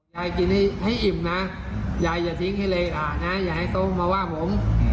ยายกินให้อิ่มนะยายอย่าทิ้งให้เลยนะอย่าให้เขามาว่าผม